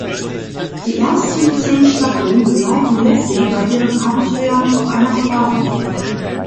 Die ersten zehn Staffeln begleiten Lassie bei ihren Abenteuern auf einer Farm.